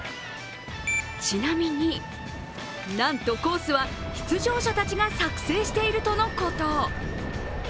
ちなみに、なんとコースは出場者たちが作成しているとのこと。